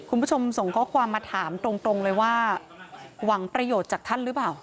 คุณผู้ชมส่งข้อความมาถามตรงเลยว่าหวังประโยชน์จากท่านหรือเปล่า